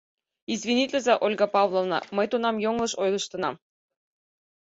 — Извинитлыза, Ольга Павловна, мый тунам йоҥылыш ойлыштынам.